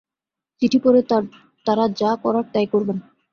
চিঠি পড়ে তাঁরা যা করার তাই করবেন।